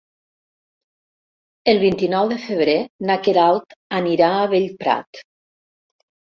El vint-i-nou de febrer na Queralt anirà a Bellprat.